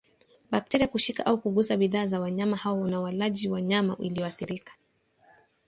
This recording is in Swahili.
bakteria kushika au kugusa bidhaa za wanyama hao na ulaji wa nyama iliyoathirika